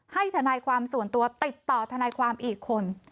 ทนายความส่วนตัวติดต่อทนายความอีกคน